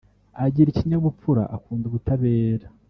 Agira ikinyabupfura akunda ubutabera